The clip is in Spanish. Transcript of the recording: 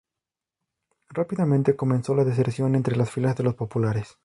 Rápidamente comenzó la deserción entre las filas de los populares.